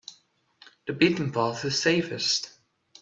The beaten path is safest.